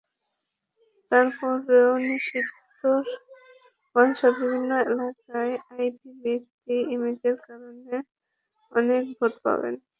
তারপরও সিদ্ধিরগঞ্জসহ বিভিন্ন এলাকায় আইভী ব্যক্তি ইমেজের কারণে অনেক ভোট পাবেন।